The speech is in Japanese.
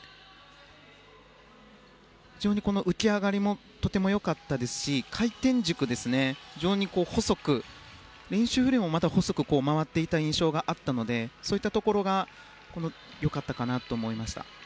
非常に浮き上がりも良かったですし回転軸も非常に細くて練習よりも細く回っていた印象があったのでそういったところが良かったかなと思いました。